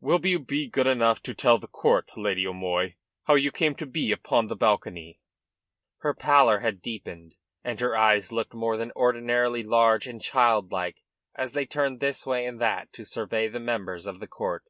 "Will you be good enough to tell the court, Lady O'Moy, how you came to be upon the balcony?" Her pallor had deepened, and her eyes looked more than ordinarily large and child like as they turned this way and that to survey the members of the court.